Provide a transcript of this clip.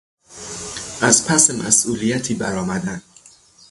از پس مسئولیتی برآمدن